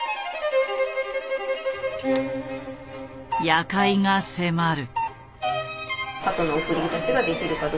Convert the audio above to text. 夜会が迫る。